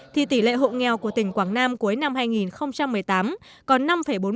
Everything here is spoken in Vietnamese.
thì tỷ lệ hộ nghèo của tỉnh quảng nam cuối năm hai nghìn một mươi tám còn năm bốn mươi chín